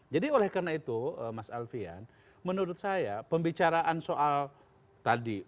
jadi oleh karena itu mas alfian menurut saya pembicaraan soal tadi